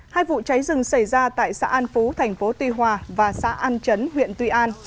hai vụ cháy rừng xảy ra tại xã an phú thành phố tuy hòa và xã an chấn huyện tuy an